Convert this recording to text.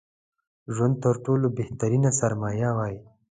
ژوند تر ټولو بهترينه سرمايه وای